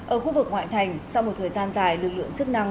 ở khu vực ngoại thành sau một thời gian dài lực lượng chức năng